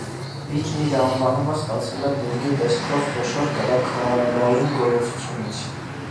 Լիճն իր անվանումը ստացել է բուրգի տեսքով խոշոր կրաքարային գոյացությունից։